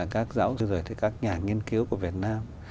các giáo sư rồi các nhà nghiên cứu của việt nam